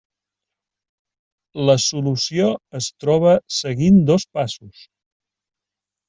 La solució es troba seguint dos passos.